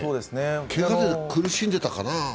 けがで苦しんでたかな。